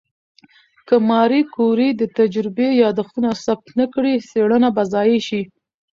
که ماري کوري د تجربې یادښتونه ثبت نه کړي، څېړنه به ضایع شي.